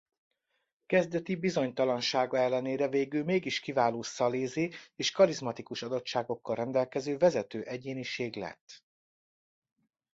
Kezdeti bizonytalansága ellenére végül mégis kiváló szalézi és karizmatikus adottságokkal rendelkező vezető egyéniség lett.